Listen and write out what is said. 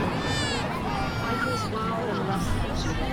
But he was wild and restless.